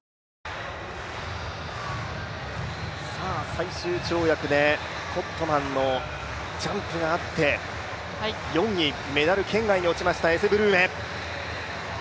最終跳躍でコットマンのジャンプがあって、４位メダル圏外に落ちましたエセ・ブルーメ。